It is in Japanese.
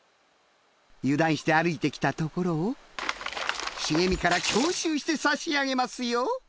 油断して歩いて来たところを茂みから強襲してさしあげますよ。